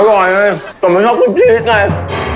อร่อยเลยแต่ไม่ชอบพรุ่งชีสไง